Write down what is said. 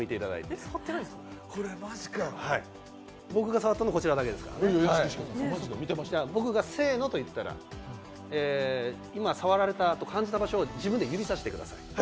僕が触ったのこちらだけですから、僕がせーのと言ったら今、触られたと感じた場所を自分で指さしてください。